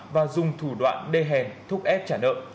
và dùng thủ đoạn đê hèn thúc ép trả nợ